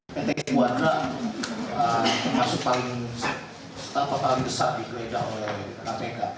ketik kuadra termasuk paling besar dikeledak oleh kpk